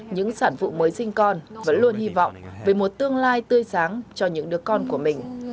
những sản phụ mới sinh con vẫn luôn hy vọng về một tương lai tươi sáng cho những đứa con của mình